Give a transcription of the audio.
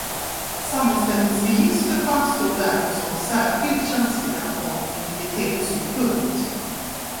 Sammanställningsregister framstår därför som särskilt känsliga från integritetssynpunkt.